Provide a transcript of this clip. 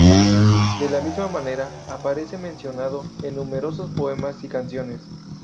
De la misma manera aparece mencionado en numerosos poemas y canciones.